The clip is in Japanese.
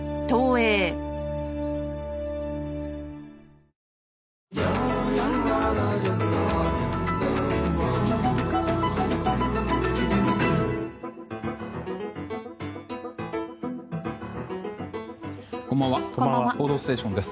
「報道ステーション」です。